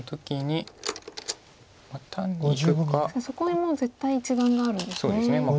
そこはもう絶対一眼があるんですね。